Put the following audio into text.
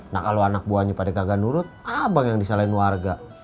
nah kalau anak buahnya pada gagal nurut abang yang disalahin warga